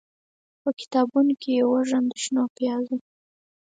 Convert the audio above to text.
به کتابونوکې یې، وږم د شنو پیازو